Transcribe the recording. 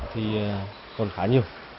thì còn khá nhiều